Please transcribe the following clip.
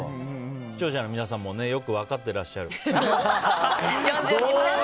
視聴者の皆さんもよく分かっていらっしゃる。